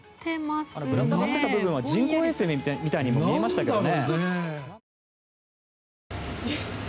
ぶら下がっていた部分は人工衛星みたいにも見えましたけどね。